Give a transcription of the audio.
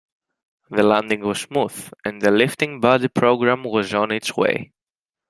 The landing was smooth, and the lifting-body program was on its way.